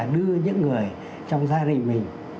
đưa những người trong gia đình mình